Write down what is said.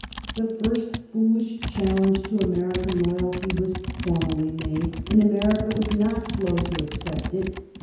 The first foolish challenge to American loyalty was formally made, and America was not slow to accept it.